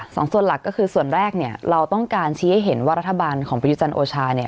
๒ส่วนหลักที่คือส่วนแรกเนี่ยเราต้องการชี้ให้เห็นว่ารัฐบาลประยุจรรย์โอชา